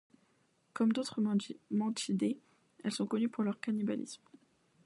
Comme d'autres mantidés, elles sont connues pour leur cannibalisme.